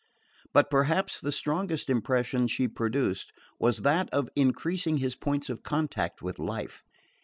But perhaps the strongest impression she produced was that of increasing his points of contact with life.